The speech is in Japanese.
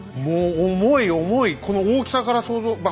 もう重い重いこの大きさから想像。